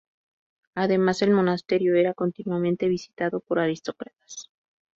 Además, el monasterio era continuamente visitado por aristócratas.